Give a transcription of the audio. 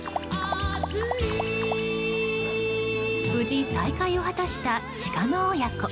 無事、再会を果たしたシカの親子。